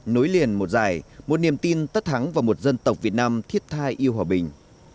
nối liền một dài một niềm tin tất thắng vào một dân tộc việt nam thiết tha yêu hòa bình